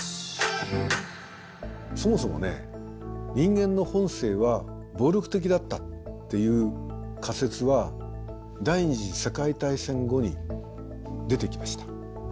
そもそもね人間の本性は暴力的だったっていう仮説は第２次世界大戦後に出てきました。